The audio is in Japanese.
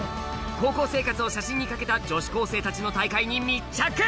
高校生活を写真に懸けた女子高生たちの大会に密着！